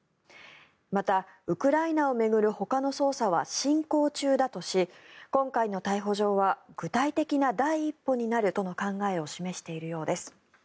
また、ウクライナを巡るほかの捜査は進行中だとし今回の逮捕状は具体的な第一歩になるとの考えを示しているようです。